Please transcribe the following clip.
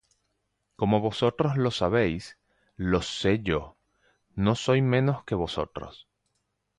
Como vosotros lo sabéis, lo sé yo; No soy menos que vosotros.